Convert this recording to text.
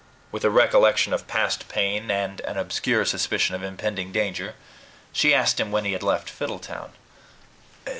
With a recollection of past pain, and an obscure suspicion of impending danger, she asked him when he had left Fiddletown.